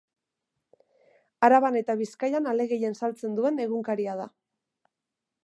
Araban eta Bizkaian ale gehien saltzen duen egunkaria da.